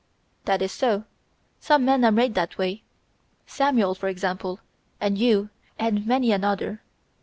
"That is so, some men are made that way. Samuel, for example, and you, and many another.